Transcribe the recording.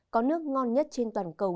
có nước ngon nhất trên toàn cầu